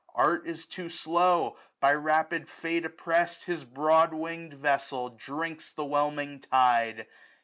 Art is too slow : By rapid Face oppressed. His broad wing'd vessel drinks the whelming tide.